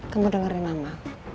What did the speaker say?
kamu dengerin mama